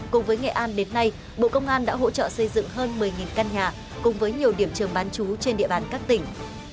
cùng với nghệ an đến nay bộ công an đã hỗ trợ xây dựng hơn một mươi căn nhà cùng với nhiều điểm trường bán chú trên địa bàn các tỉnh